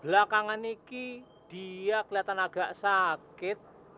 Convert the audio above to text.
belakangan ini dia keliatan agak sakit